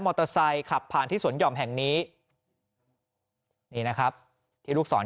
เตอร์ไซค์ขับผ่านที่สวนหย่อมแห่งนี้นี่นะครับที่ลูกศร